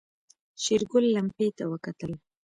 شېرګل لمپې ته وکتل.